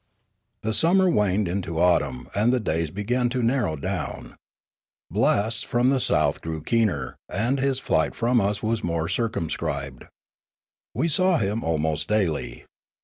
The summer waned into autumn, and the days began to narrow down. Blasts from the south grew keener; and his flight from us was more circumscribed. We saw him almost daily.